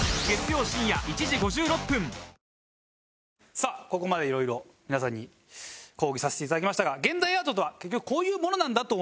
さあここまでいろいろ皆さんに講義させていただきましたが現代アートとは結局こういうものなんだと思います。